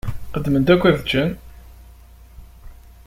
Qqedmen-d akken ad ččen.